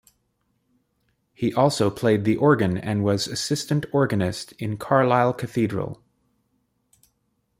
He also played the organ and was assistant organist in Carlisle Cathedral.